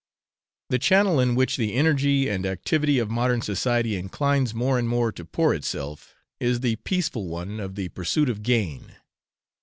The channel in which the energy and activity of modern society inclines more and more to pour itself, is the peaceful one of the pursuit of gain.